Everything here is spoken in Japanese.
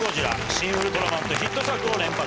『シン・ウルトラマン』とヒット作を連発。